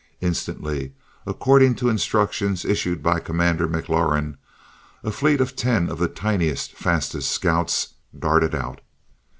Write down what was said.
Instantly, according to instructions issued by Commander McLaurin, a fleet of ten of the tiniest, fastest scouts darted out.